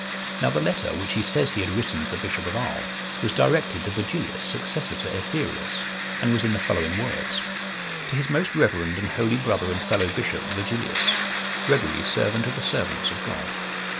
Now the letter, which he says he had written to the bishop of Arles, was directed to Vergilius, successor to Aetherius,(130) and was in the following words: "_To his most reverend and holy brother and fellow bishop, Vergilius; Gregory, servant of the servants of God.